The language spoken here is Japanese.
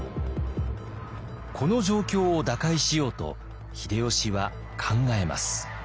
この状況を打開しようと秀吉は考えます。